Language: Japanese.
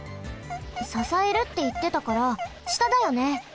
ささえるっていってたからしただよね？